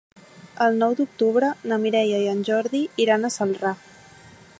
El nou d'octubre na Mireia i en Jordi iran a Celrà.